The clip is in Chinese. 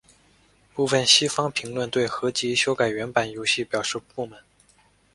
部分西方评论对合辑修改原版游戏表示不满。